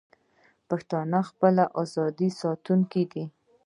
پښتون د خپلې ازادۍ ساتونکی دی.